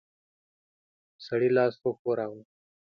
سړي لاس وښوراوه.